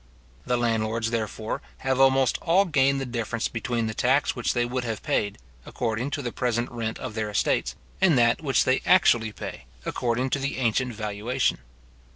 The landlords, therefore, have almost all gained the difference between the tax which they would have paid, according to the present rent of their estates, and that which they actually pay according to the ancient valuation.